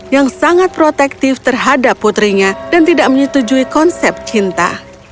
yang sangat protektif terhadap putrinya dan tidak menyetujui konsep cinta